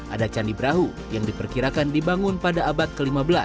ada candi brahu yang diperkirakan dibangun pada abad ke lima belas